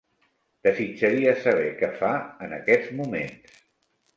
Desitjaria saber què fa en aquests moments.